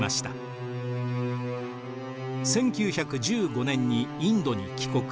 １９１５年にインドに帰国。